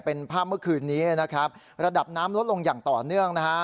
เป็นภาพเมื่อคืนนี้นะครับระดับน้ำลดลงอย่างต่อเนื่องนะฮะ